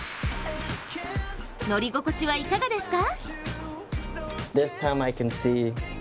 乗り心地はいかがですか？